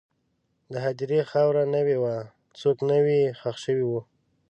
د هدیرې خاوره نوې وه، څوک نوی ښخ شوي وو.